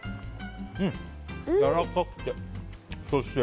やわらかくて。